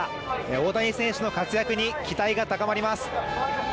大谷選手の活躍に期待が高まります。